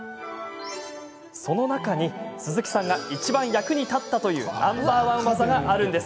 その中に鈴木さんがいちばん役に立ったというナンバー１ワザがあるんです。